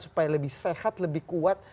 supaya lebih sehat lebih kuat